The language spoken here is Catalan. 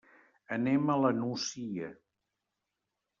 Anem a la Nucia.